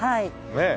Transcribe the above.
ねえ。